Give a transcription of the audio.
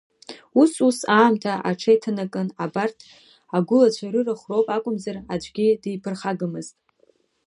Ус-ус аамҭа аҽеиҭанакын, абарҭ агәылацәа рырахә роуп акәымзар, аӡәгьы диԥырхагамызт.